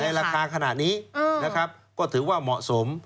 ในราคาขนาดนี้ก็ถือว่าเหมาะสม